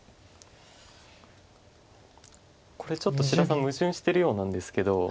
これちょっと志田さん矛盾してるようなんですけど。